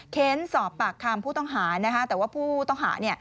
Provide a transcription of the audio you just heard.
เค้นสอบปากคำผู้ต้องหานะคะแต่ว่าผู้ต้องหา